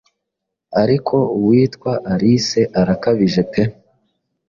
Ariko uwitwa Alice arakabije pe